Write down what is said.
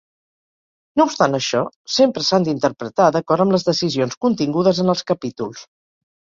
No obstant això, sempre s'han d'interpretar d'acord amb les decisions contingudes en els capítols.